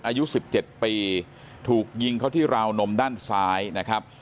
อายุ๑๗ปีถูกยิงเขาที่ราวนมด้านซ้ายนะครับ